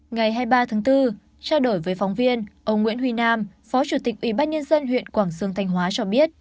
ngày hai mươi ba tháng bốn trao đổi với phóng viên ông nguyễn huy nam phó chủ tịch ủy ban nhân dân huyện quảng sương thanh hóa cho biết